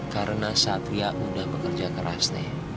karena satria udah bekerja keras nih